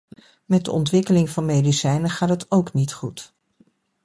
Met de ontwikkeling van medicijnen gaat het ook niet goed.